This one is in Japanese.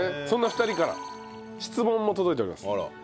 そんな２人から質問も届いております。